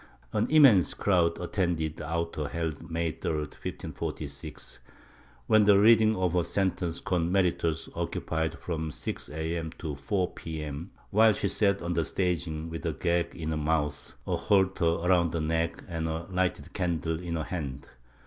An immense crowd attended the auto held May 3, 1546, when the reading of her sentence con meritos occupied from 6 a.m. to 4 P.M., while she sat on the staging with a gag in her mouth, a halter around her neck and a lighted candle in her hand.